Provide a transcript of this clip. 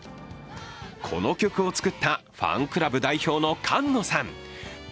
この曲を作ったファンクラブ代表の菅野さん